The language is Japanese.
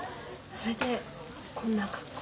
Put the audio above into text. それでこんな格好。